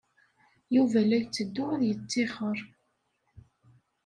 Yuba la yetteddu ad yettixer.